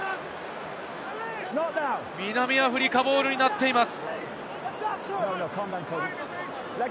南アフリカボールになっています。